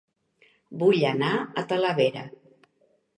Vull anar a Talavera